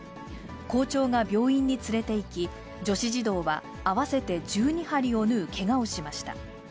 校長が病院に連れていき、女子児童は合わせて１２針を縫うけがをしました。